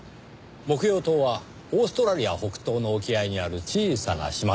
木曜島はオーストラリア北東の沖合にある小さな島です。